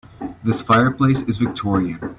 This fireplace is victorian.